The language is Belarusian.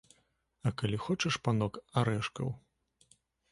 А калі хочаш, панок, арэшкаў?